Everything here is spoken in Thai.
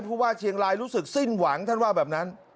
ว่าเชียงรายรู้สึกสิ้นหวังท่านว่าแบบนั้น